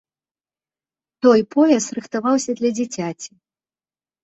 Той пояс рыхтаваўся для дзіцяці.